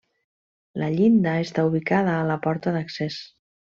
La llinda està ubicada a la porta d'accés.